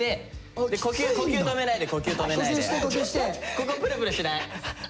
ここプルプルしない。